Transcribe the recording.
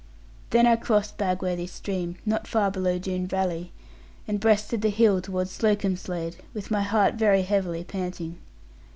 Then I crossed Bagworthy stream, not far below Doone valley, and breasted the hill towards Slocombslade, with my heart very heavily panting.